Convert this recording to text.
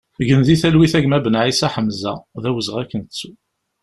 Gen di talwit a gma Benaïssa Ḥamza, d awezɣi ad k-nettu!